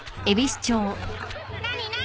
何何？